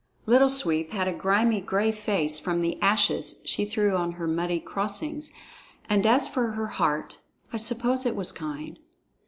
Little Sweep had a grimy, gray face from the ashes she threw on her muddy crossings, and as for her heart, I suppose it was kind.